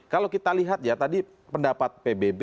kalau kita lihat ya tadi pendapat pbb